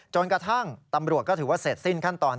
จนกระทั่งตำรวจก็ถือว่าเสร็จสิ้นขั้นตอน